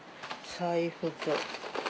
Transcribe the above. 財布と。